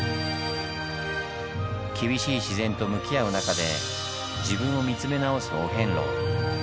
厳しい自然と向き合う中で自分を見つめ直すお遍路。